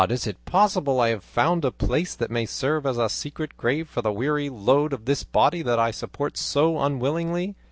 is it possible I have found a place that may serve as a secret grave for the weary load of this body that I support so unwillingly?